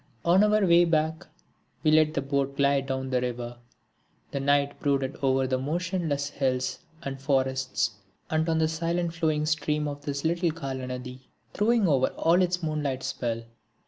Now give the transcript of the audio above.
On our way back we let the boat glide down the river. The night brooded over the motionless hills and forests, and on the silent flowing stream of this little Kalanadi, throwing over all its moonlight spell.